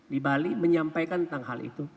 di bali menyampaikan tentang hal itu